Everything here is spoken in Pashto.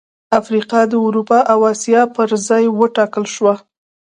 افریقا د اروپا او اسیا پر ځای وټاکل شوه.